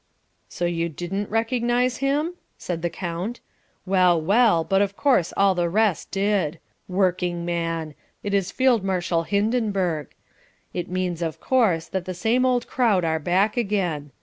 "So you didn't recognize him?" said the count. "Well, well, but of course all the rest did. Workingman! It is Field Marshal Hindenburg. It means of course that the same old crowd are back again.